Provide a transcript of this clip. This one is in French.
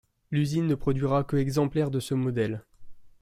L'usine ne produira que exemplaires de ce modèle.